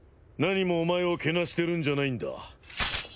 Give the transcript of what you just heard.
なにもお前をけなしてるんじゃないんだ。